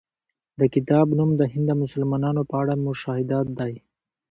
د کتاب نوم د هند د مسلمانانو په اړه مشاهدات دی.